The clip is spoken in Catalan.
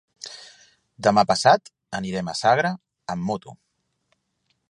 Demà passat anirem a Sagra amb moto.